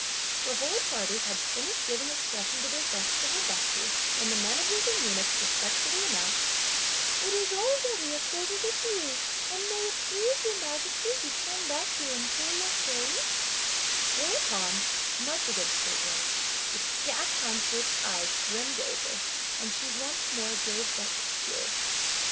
The whole party had finished giving expression to their thanks for her bounty, when the managers and eunuchs respectfully announced: "It is already a quarter to three, and may it please your Majesty to turn back your imperial chariot;" whereupon, much against her will, the Chia consort's eyes brimmed over, and she once more gave vent to tears.